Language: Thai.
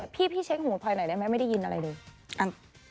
พี่เช็คหูพลอยหน่อยได้ไหมไม่ได้ยินอะไรเลย